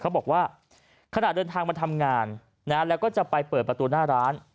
เขาบอกว่าขณะเดินทางมาทำงานนะแล้วก็จะไปเปิดประตูหน้าร้าน